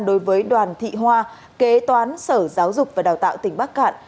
đối với đoàn thị hoa kế toán sở giáo dục và đào tạo tỉnh bắc cạn